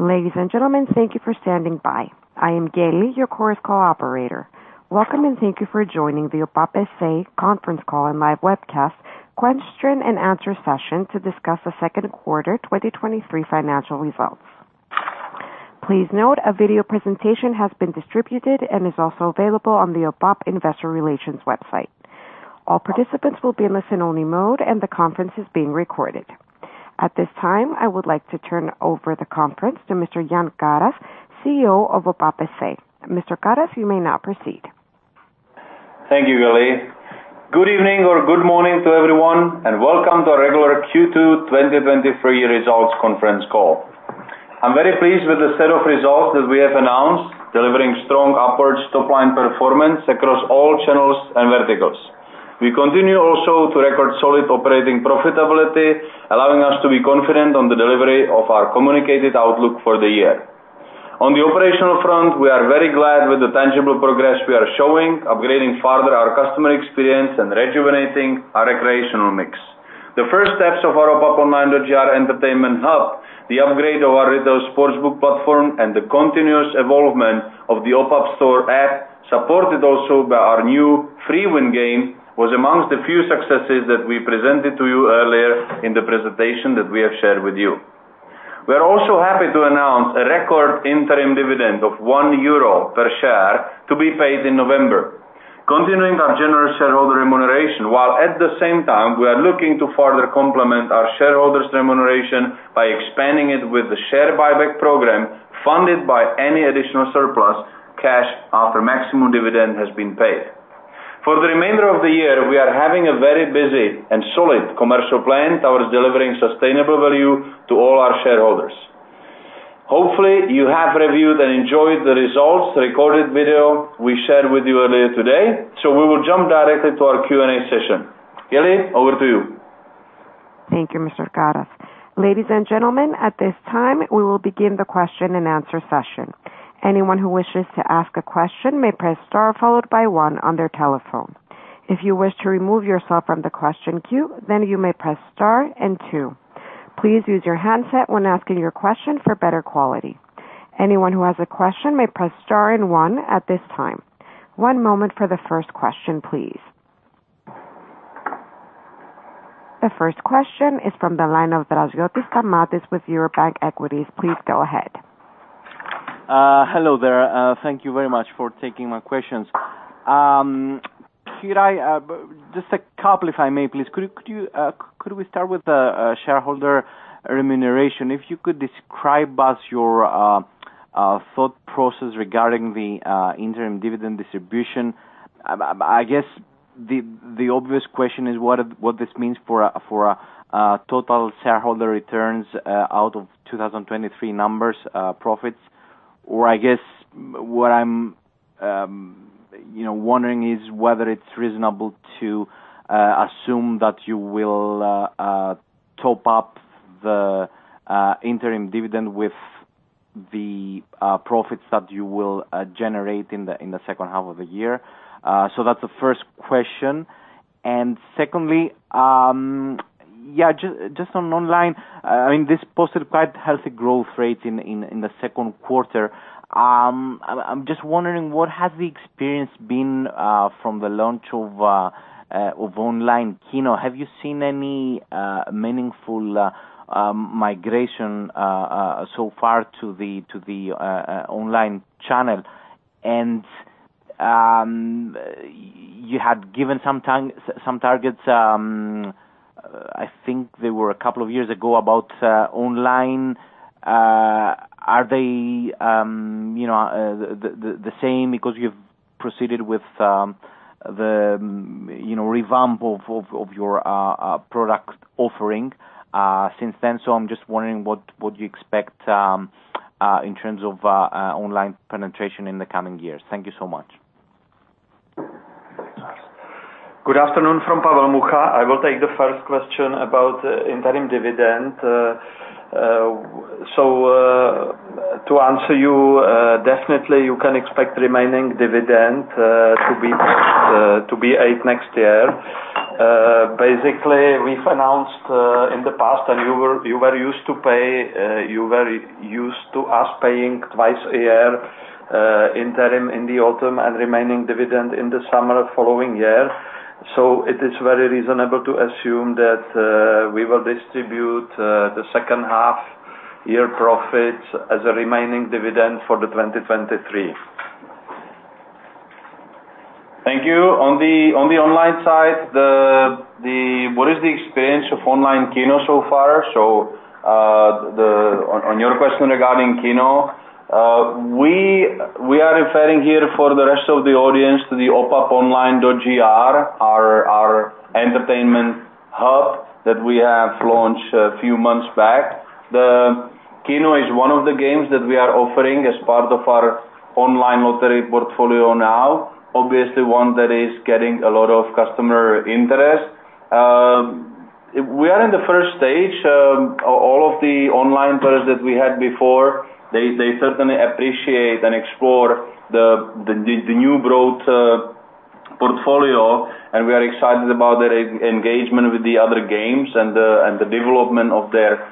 Ladies and gentlemen, thank you for standing by. I am Gelly, your Chorus Call operator. Welcome, and thank you for joining the OPAP S.A. conference call and live webcast question and answer session to discuss the second quarter 2023 financial results. Please note, a video presentation has been distributed and is also available on the OPAP Investor Relations website. All participants will be in listen-only mode, and the conference is being recorded. At this time, I would like to turn over the conference to Mr. Jan Karas, CEO of OPAP S.A. Mr. Karas, you may now proceed. Thank you, Gelly. Good evening or good morning to everyone, and welcome to our regular Q2 2023 results conference call. I'm very pleased with the set of results that we have announced, delivering strong upward top-line performance across all channels and verticals. We continue also to record solid operating profitability, allowing us to be confident on the delivery of our communicated outlook for the year. On the operational front, we are very glad with the tangible progress we are showing, upgrading further our customer experience and rejuvenating our recreational mix. The first steps of our OPAP online entertainment hub, the upgrade of our retail sports book platform, and the continuous evolvement of the OPAP Store App, supported also by our new FreeWin game, was amongst the few successes that we presented to you earlier in the presentation that we have shared with you. We are also happy to announce a record interim dividend of 1 euro per share to be paid in November. Continuing our general shareholder remuneration, while at the same time we are looking to further complement our shareholders' remuneration by expanding it with the share buyback program, funded by any additional surplus cash after maximum dividend has been paid. For the remainder of the year, we are having a very busy and solid commercial plan towards delivering sustainable value to all our shareholders. Hopefully, you have reviewed and enjoyed the results, the recorded video we shared with you earlier today, so we will jump directly to our Q&A session. Gelly, over to you. Thank you, Mr. Karas. Ladies and gentlemen, at this time, we will begin the question-and-answer session. Anyone who wishes to ask a question may press star followed by one on their telephone. If you wish to remove yourself from the question queue, then you may press star and two. Please use your handset when asking your question for better quality. Anyone who has a question may press star and one at this time. One moment for the first question, please. The first question is from the line of Stamatios Draziotis with Eurobank Equities. Please go ahead. Hello there. Thank you very much for taking my questions. Could I just a couple, if I may, please. Could we start with the shareholder remuneration? If you could describe us your thought process regarding the interim dividend distribution. I guess the obvious question is what this means for a total shareholder returns out of 2023 numbers profits. Or I guess what I'm, you know, wondering is whether it's reasonable to assume that you will top up the interim dividend with the profits that you will generate in the second half of the year. So that's the first question. And secondly, yeah, just on online, I mean, this posted quite healthy growth rate in the second quarter. I'm just wondering, what has the experience been from the launch of online KINO? Have you seen any meaningful migration so far to the online channel? And you had given some targets, I think they were a couple of years ago, about online. Are they, you know, the same because you've proceeded with the, you know, revamp of your product offering since then. So I'm just wondering what you expect in terms of online penetration in the coming years. Thank you so much. Good afternoon from Pavel Mucha. I will take the first question about the interim dividend. So, to answer you, definitely you can expect remaining dividend to be paid next year. Basically, we've announced in the past, and you were used to us paying twice a year, interim in the autumn and remaining dividend in the summer following year. So it is very reasonable to assume that we will distribute the second half year profits as a remaining dividend for 2023. Thank you. On the online side, What is the experience of online KINO so far? So, on your question regarding KINO, we are referring here for the rest of the audience to the Opaponline.gr, our entertainment hub that we have launched a few months back. The KINO is one of the games that we are offering as part of our online lottery portfolio now, obviously one that is getting a lot of customer interest. We are in the first stage. All of the online players that we had before, they certainly appreciate and explore the new growth portfolio, and we are excited about their engagement with the other games and the development of their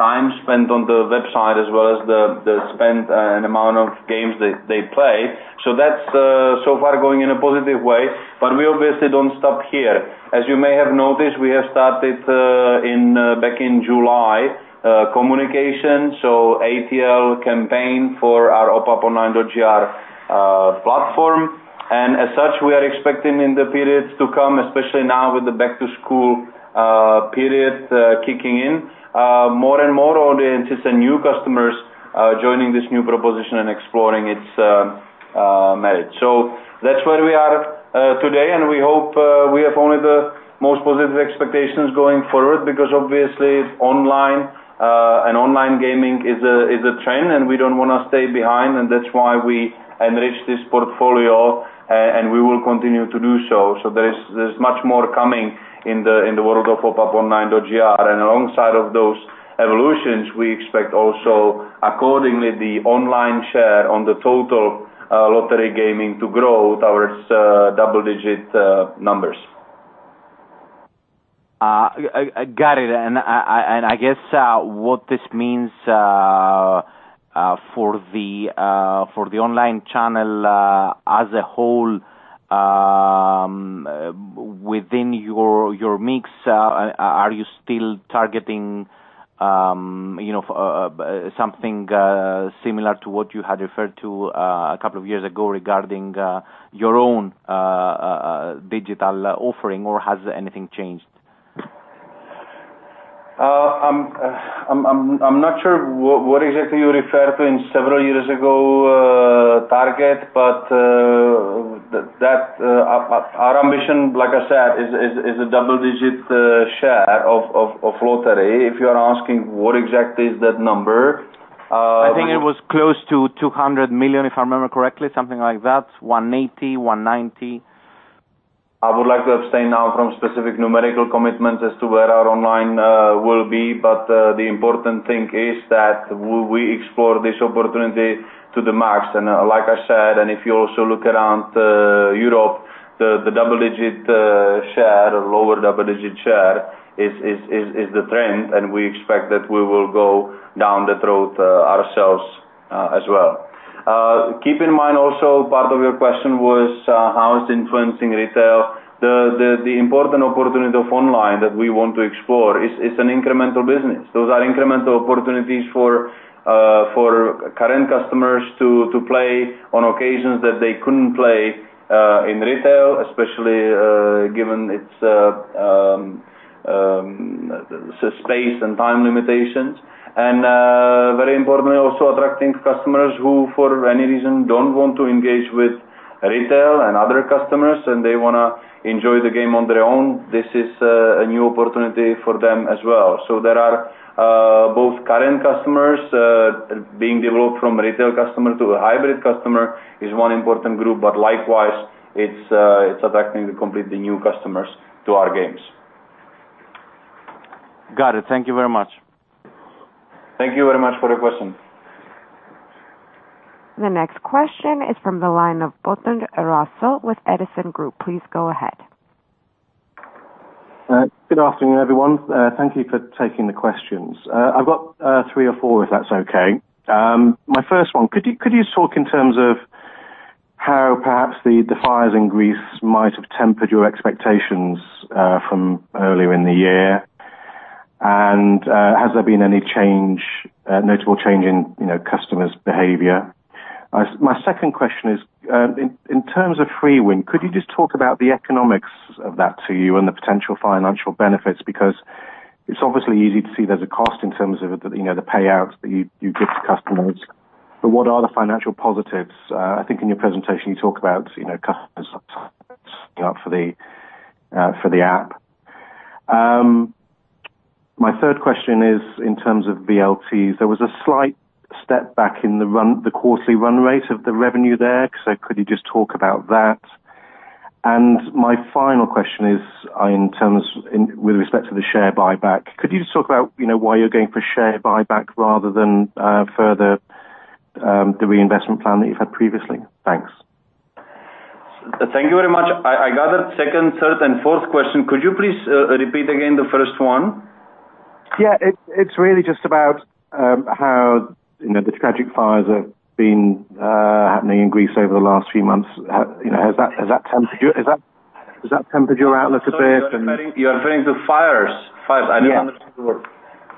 time spent on the website, as well as the spend and amount of games they play. So that's so far going in a positive way. But we obviously don't stop here. As you may have noticed, we have started back in July communication, so ATL campaign for our Opaponline.gr platform. And as such, we are expecting in the periods to come, especially now with the back-to-school period kicking in, more and more audiences and new customers joining this new proposition and exploring its merit. So that's where we are today, and we hope we have only the most positive expectations going forward, because obviously, online and online gaming is a trend, and we don't wanna stay behind, and that's why we enrich this portfolio and we will continue to do so. So there's much more coming in the world of Opaponline.gr. Alongside of those evolutions, we expect also, accordingly, the online share on the total lottery gaming to grow towards double-digit numbers. I got it. And I guess what this means for the online channel as a whole within your mix, are you still targeting, you know, something similar to what you had referred to a couple of years ago regarding your own digital offering, or has anything changed? I'm not sure what exactly you referred to in several years ago target, but that our ambition, like I said, is a double-digit share of lottery. If you are asking what exactly is that number, I think it was close to 200 million, if I remember correctly, something like that, 180 million, 190 million. I would like to abstain now from specific numerical commitments as to where our online will be, but the important thing is that we explore this opportunity to the max. And like I said, and if you also look around Europe, the double digit share, or lower double digit share, is the trend, and we expect that we will go down that road ourselves as well. Keep in mind also, part of your question was how it's influencing retail. The important opportunity of online that we want to explore is an incremental business. Those are incremental opportunities for current customers to play on occasions that they couldn't play in retail, especially given its space and time limitations. Very importantly, also attracting customers who, for any reason, don't want to engage with retail and other customers, and they wanna enjoy the game on their own. This is a new opportunity for them as well. There are both current customers being developed from retail customer to a hybrid customer, is one important group, but likewise, it's attracting completely new customers to our games. Got it. Thank you very much. Thank you very much for your question. The next question is from the line of Botond Rózsa with Edison Group. Please go ahead. Good afternoon, everyone. Thank you for taking the questions. I've got three or four, if that's okay. My first one, could you talk in terms of how perhaps the fires in Greece might have tempered your expectations from earlier in the year? And has there been any notable change in, you know, customers' behavior? My second question is, in terms of free win, could you just talk about the economics of that to you and the potential financial benefits? Because it's obviously easy to see there's a cost in terms of, you know, the payouts that you give to customers, but what are the financial positives? I think in your presentation, you talk about, you know, customers up for the app. My third question is, in terms of VLTs, there was a slight step back in the run, the quarterly run rate of the revenue there. So could you just talk about that? And my final question is, in terms with respect to the share buyback, could you just talk about, you know, why you're going for share buyback rather than further the reinvestment plan that you've had previously? Thanks. Thank you very much. I, I got the second, third and fourth question. Could you please repeat again the first one? Yeah. It's really just about how, you know, the tragic fires have been happening in Greece over the last few months. You know, has that tempered your outlook a bit and- Sorry, you are referring to fires? Fires. Yeah. I didn't understand the word.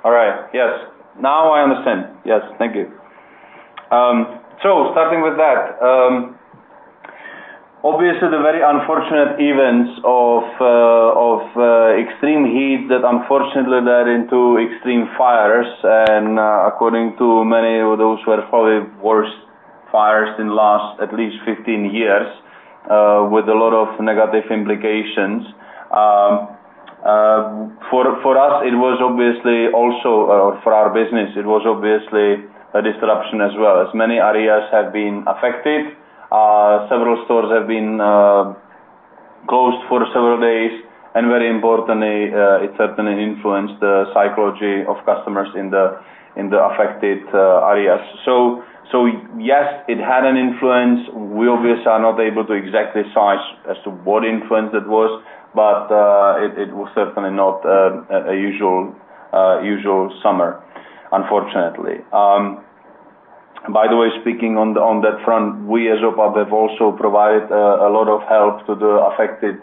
All right. Yes. Now I understand. Yes. Thank you. So starting with that, obviously the very unfortunate events of extreme heat that unfortunately led into extreme fires, and according to many, those were probably worst fires in the last at least 15 years, with a lot of negative implications. For us, it was obviously also for our business, it was obviously a disruption as well. As many areas have been affected, several stores have been closed for several days, and very importantly, it certainly influenced the psychology of customers in the affected areas. So yes, it had an influence. We obviously are not able to exactly size as to what influence it was, but it was certainly not a usual summer, unfortunately. By the way, speaking on, on that front, we as OPAP, have also provided a, a lot of help to the affected,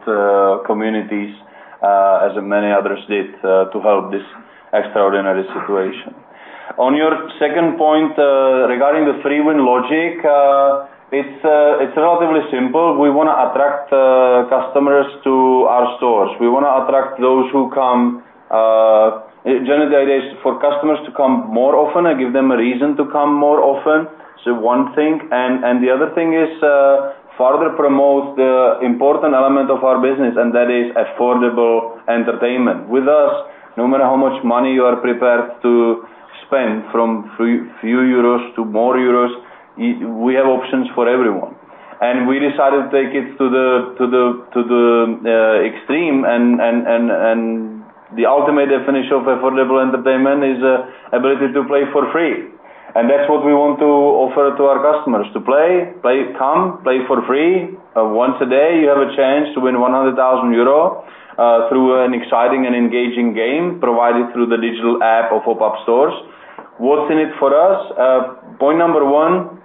communities, as many others did, to help this extraordinary situation. On your second point, regarding the free win logic, it's, it's relatively simple. We wanna attract, customers to our stores. We wanna attract those who come, generally, the idea is for customers to come more often and give them a reason to come more often, so one thing. And, and the other thing is, further promote the important element of our business, and that is affordable entertainment. With us, no matter how much money you are prepared to spend, from few, few euros to more euros, we have options for everyone. We decided to take it to the extreme and the ultimate definition of affordable entertainment is ability to play for free. And that's what we want to offer to our customers, to play, come play for free. Once a day, you have a chance to win 100,000 euro through an exciting and engaging game provided through the digital app of OPAP stores. What's in it for us? Point number one,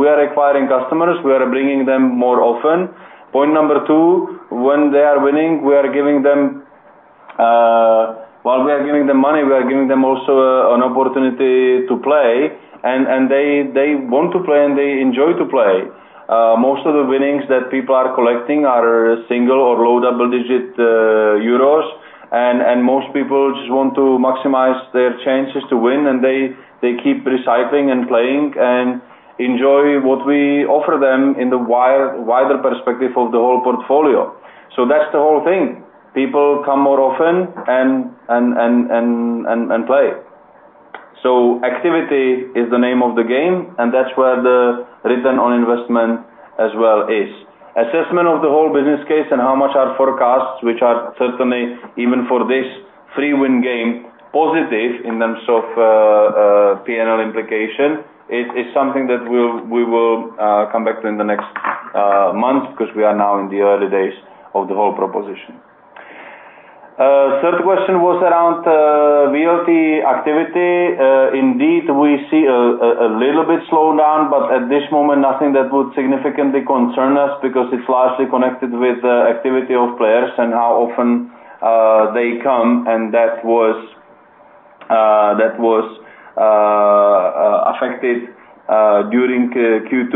we are acquiring customers, we are bringing them more often. Point number two, when they are winning, we are giving them money. While we are giving them money, we are giving them also an opportunity to play, and they want to play, and they enjoy to play. Most of the winnings that people are collecting are single or low double-digit euros. And most people just want to maximize their chances to win, and they keep recycling and playing and enjoy what we offer them in the wider perspective of the whole portfolio. So that's the whole thing. People come more often and play. So activity is the name of the game, and that's where the return on investment as well is. Assessment of the whole business case and how much our forecasts, which are certainly, even for this free win game, positive in terms of P&L implication, is something that we will come back to in the next month, because we are now in the early days of the whole proposition. Third question was around VLT activity. Indeed, we see a little bit slowdown, but at this moment, nothing that would significantly concern us because it's largely connected with the activity of players and how often they come, and that was affected during Q2,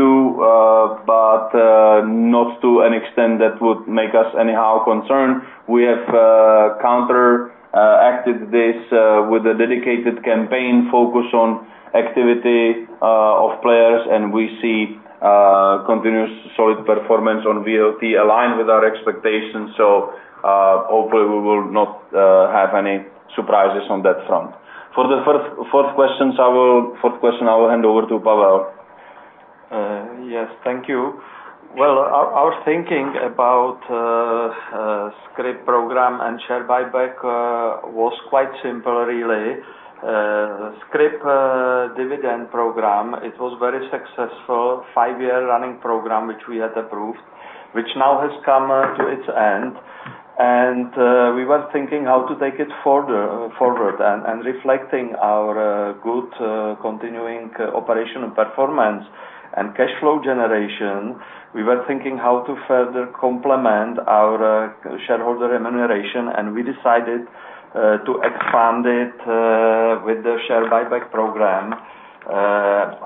but not to an extent that would make us anyhow concerned. We have counteracted this with a dedicated campaign focused on activity of players, and we see continuous solid performance on VLT aligned with our expectations, so hopefully, we will not have any surprises on that front. For the fourth question, I will hand over to Pavel. Yes, thank you. Well, our thinking about scrip program and share buyback was quite simple, really. Scrip dividend program, it was very successful, five-year running program, which we had approved, which now has come to its end. And we were thinking how to take it further forward. And reflecting our good continuing operational performance and cash flow generation, we were thinking how to further complement our shareholder remuneration, and we decided to expand it with the share buyback program.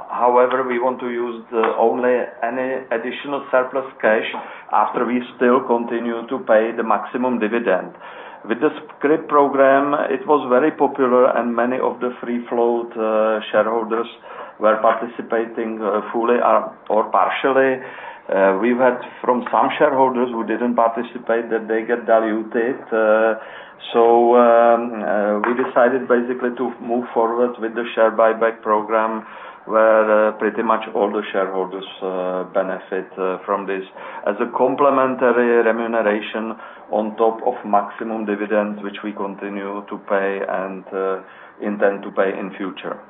However, we want to use only any additional surplus cash after we still continue to pay the maximum dividend. With the scrip program, it was very popular, and many of the free float shareholders were participating fully or partially. We've had from some shareholders who didn't participate, that they get diluted. So, we decided basically to move forward with the share buyback program, where pretty much all the shareholders benefit from this. As a complementary remuneration on top of maximum dividends, which we continue to pay and intend to pay in future.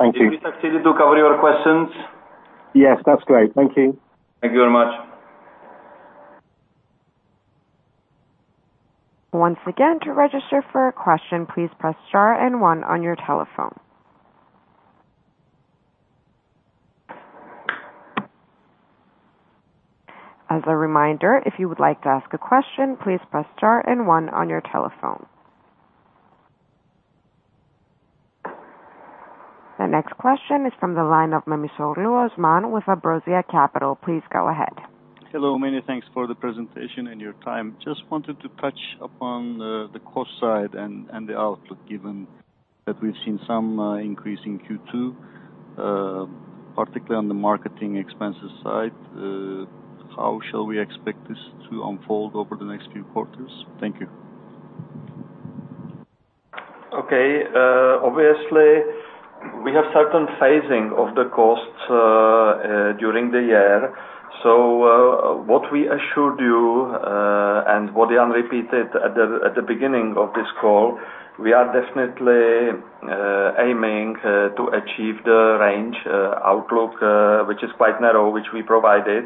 Great. Thank you. Did we succeed to cover your questions? Yes, that's great. Thank you. Thank you very much. Once again, to register for a question, please press star and one on your telephone. As a reminder, if you would like to ask a question, please press star and one on your telephone. The next question is from the line of Memisoglu Osman with Ambrosia Capital. Please go ahead. Hello, many thanks for the presentation and your time. Just wanted to touch upon the cost side and the outlook, given that we've seen some increase in Q2, particularly on the marketing expenses side. How shall we expect this to unfold over the next few quarters? Thank you. Okay, obviously, we have certain phasing of the costs during the year. So, what we assured you and what Jan repeated at the beginning of this call, we are definitely aiming to achieve the range outlook, which is quite narrow, which we provided.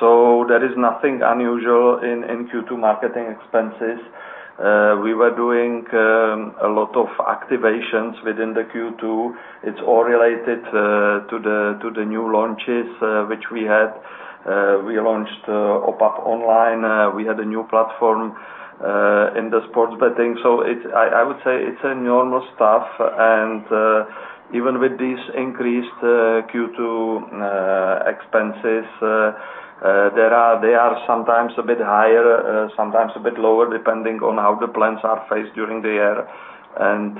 So there is nothing unusual in Q2 marketing expenses. We were doing a lot of activations within the Q2. It's all related to the new launches which we had. We launched OPAP online. We had a new platform in the sports betting. I would say it's normal stuff, and even with these increased Q2 expenses, they are sometimes a bit higher, sometimes a bit lower, depending on how the plans are phased during the year, and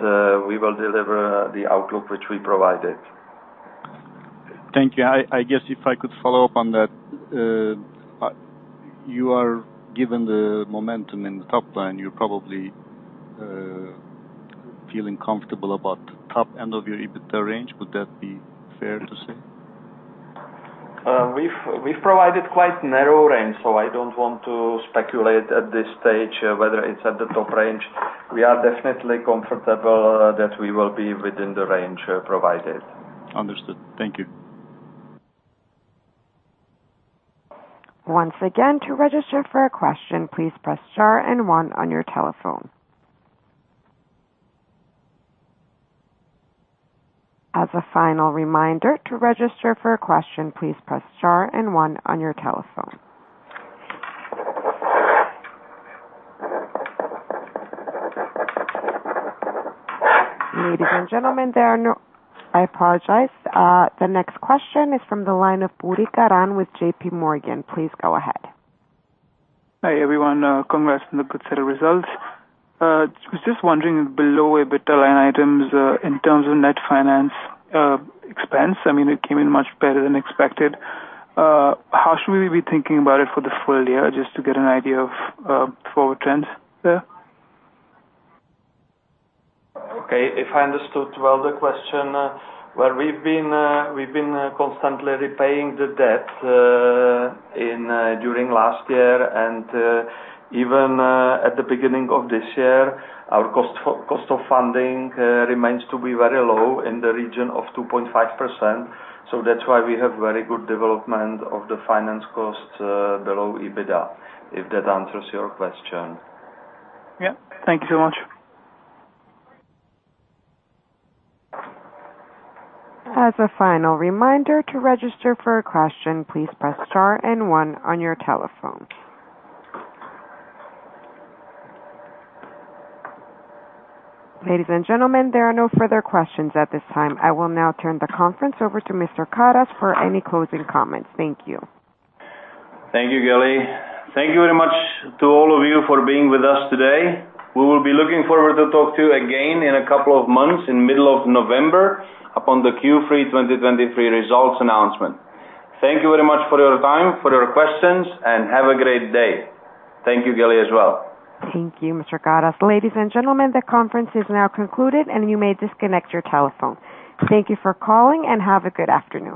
we will deliver the outlook which we provided. Thank you. I guess if I could follow up on that, given the momentum in the top line, you're probably feeling comfortable about the top end of your EBITDA range. Would that be fair to say? We've provided quite narrow range, so I don't want to speculate at this stage, whether it's at the top range. We are definitely comfortable that we will be within the range, provided. Understood. Thank you. Once again, to register for a question, please press star and one on your telephone. As a final reminder, to register for a question, please press star and one on your telephone. Ladies and gentlemen, there are no... I apologize. The next question is from the line of Karan Puri with JPMorgan. Please go ahead. Hi, everyone. Congrats on the good set of results. I was just wondering, below EBITDA line items, in terms of net finance expense, I mean, it came in much better than expected. How should we be thinking about it for the full year, just to get an idea of, forward trends there? Okay, if I understood well the question, well, we've been constantly repaying the debt during last year, and even at the beginning of this year, our cost of funding remains to be very low in the region of 2.5%. So that's why we have very good development of the finance costs below EBITDA, if that answers your question. Yeah. Thank you so much. As a final reminder, to register for a question, please press star and one on your telephone. Ladies and gentlemen, there are no further questions at this time. I will now turn the conference over to Mr. Karas for any closing comments. Thank you. Thank you, Gelly. Thank you very much to all of you for being with us today. We will be looking forward to talk to you again in a couple of months, in middle of November, upon the Q3 2023 results announcement. Thank you very much for your time, for your questions, and have a great day. Thank you, Gelly, as well. Thank you, Mr. Karas. Ladies and gentlemen, the conference is now concluded, and you may disconnect your telephone. Thank you for calling, and have a good afternoon.